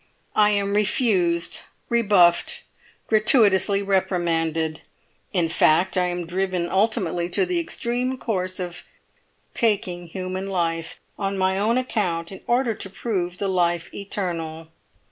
I am refused, rebuffed, gratuitously reprimanded; in fact, I am driven ultimately to the extreme course of taking human life, on my own account, in order to prove the life eternal.